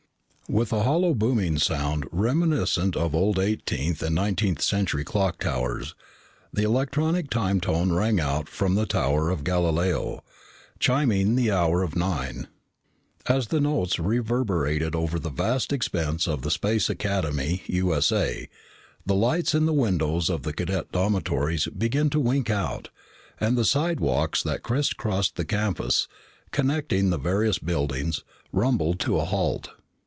_" With a hollow booming sound reminiscent of old eighteenth and nineteenth century clock towers, the electronic time tone rang out from the Tower of Galileo, chiming the hour of nine. As the notes reverberated over the vast expanse of Space Academy, U.S.A., the lights in the windows of the cadet dormitories began to wink out and the slidewalks that crisscrossed the campus, connecting the various buildings, rumbled to a halt.